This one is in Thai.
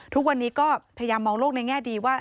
ทุกวันนี้ก็พยายามมองโลกในแง่ดีว่า